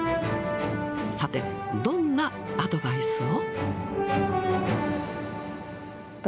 さて、どんなアドバイスを？